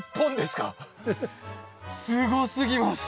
すごすぎます。